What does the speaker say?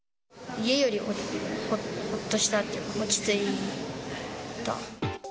家よりほっとしたっていうか、落ち着いた。